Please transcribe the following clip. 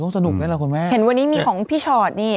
ต้องสนุกได้นะคุณแม่เห็นวันนี้มีของพี่ชอดนี่